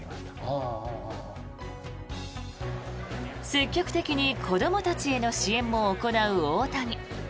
積極的に子どもたちへの支援も行う大谷。